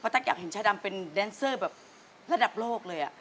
ตั๊กอยากเห็นชาดำเป็นแดนเซอร์แบบระดับโลกเลย